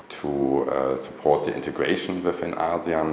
để giúp cơ hội truyền thông báo trong asean